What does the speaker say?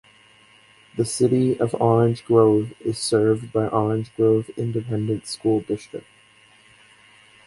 The City of Orange Grove is served by the Orange Grove Independent School District.